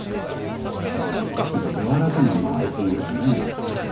なんかやわらかな間合いというかね。